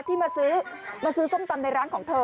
ที่มาซื้อมาซื้อส้มตำในร้านของเธอ